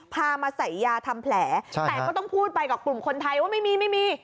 พามาใส่ยาทำแผลแต่ก็ต้องพูดไปกับกลุ่มคนไทยว่าไม่มีไม่มี